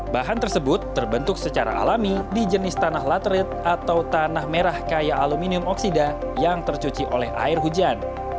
bahan tersebut terbentuk secara alami di jenis tanah laterit atau tanah merah kaya aluminium oksida yang tercuci oleh air hujan